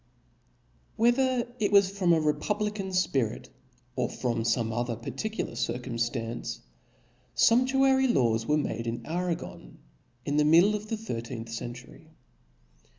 *vn *" "^X^H ETHER it was from a republican Chap's. ^^ fpirit, or frOrri fomc btUer particular cir cumftance^ fumptuary Iaw5 were made in Aragon, in the middle of the thirteenth century.